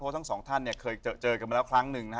ทั้งสองท่านเคยเจอกันมาแล้วครั้งหนึ่ง